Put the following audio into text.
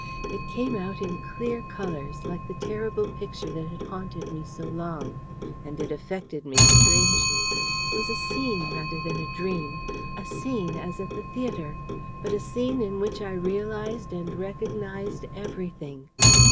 It came out in clear colours, like the terrible Picture that had haunted me so long. And it affected me strangely. It was a scene, rather than a dream a scene, as at the theatre; but a scene in which I realised and recognised everything.